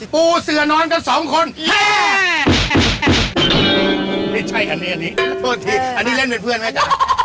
ปูเสือนอนกันสองคนไม่ใช่อันนี้อันนี้โทษทีอันนี้เล่นเป็นเพื่อนไหมจ๊ะ